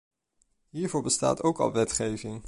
Hiervoor bestaat ook al wetgeving.